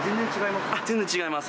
全然違います？